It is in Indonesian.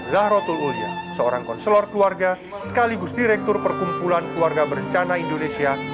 zahra tulwulya seorang konsulor keluarga sekaligus direktur perkumpulan keluarga berencana indonesia